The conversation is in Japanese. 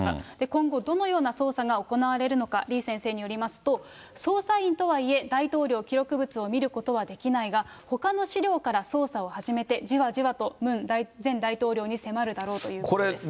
今後、どのような捜査が行われるのか、李先生によりますと、捜査員とはいえ、大統領記録物を見ることはできないが、ほかの資料から捜査を始めて、じわじわとムン前大統領に迫るだろうということです。